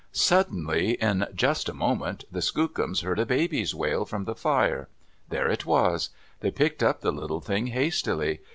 Suddenly, in just a moment, the skookums heard a baby's wail from the fire. There it was. They picked up the little thing hastily.